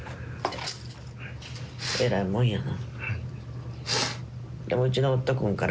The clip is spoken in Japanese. えらいもんやな。